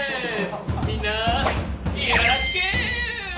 みんなよろしく！